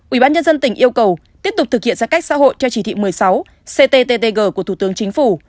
ubnd tỉnh yêu cầu tiếp tục thực hiện giãn cách xã hội theo chỉ thị một mươi sáu cttg của thủ tướng chính phủ